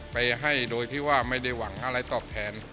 ไปให้โดยที่ว่าไม่ได้หวังอะไรตอบแทน